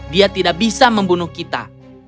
dia tidak bisa membunuh kita